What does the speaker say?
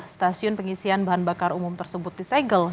stasiun pengisian bahan bakar umum tersebut disegel